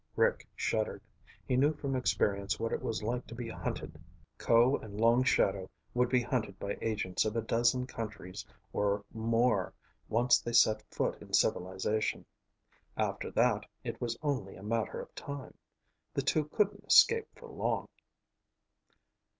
Rick shuddered. He knew from experience what it was like to be hunted. Ko and Long Shadow would be hunted by agents of a dozen countries or more once they set foot in civilization. After that, it was only a matter of time. The two couldn't escape for long.